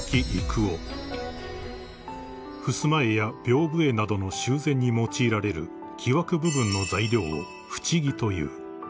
［ふすま絵や屏風絵などの修繕に用いられる木枠部分の材料を縁木という］